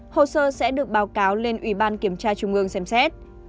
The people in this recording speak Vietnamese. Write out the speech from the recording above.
hồ sơ sẽ được báo cáo lên ủy ban kiểm tra trung ương xem xét